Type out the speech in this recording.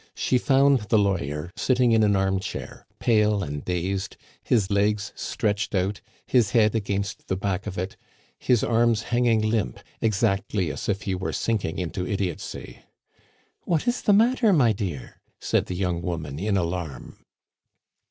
She found the lawyer sitting in an armchair, pale and dazed, his legs stretched out, his head against the back of it, his hands hanging limp, exactly as if he were sinking into idiotcy. "What is the matter, my dear?" said the young woman in alarm.